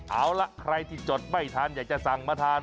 เอาล่ะใครที่จดไม่ทันอยากจะสั่งมาทาน